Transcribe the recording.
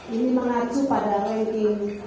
ini mengacu pada nk